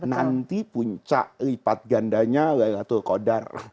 nanti puncak lipat gandanya laylatul qadar